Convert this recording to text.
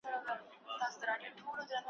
پاګل خو نه يې چــــــې نوټونه پــــهٔ انو بدلوې